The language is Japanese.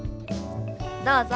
どうぞ。